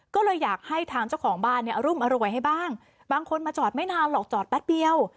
ก็เลยอยากให้ทางเจ้าของบ้านเนี่ยอรุมอร่วยให้บ้างบางคนมาจอดไม่นานหรอกจอดแป๊บเดียว